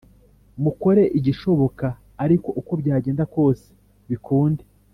Mukore igishoboka ariko uko byagenda kose bikunde.